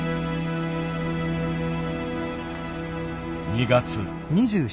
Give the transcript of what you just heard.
２月。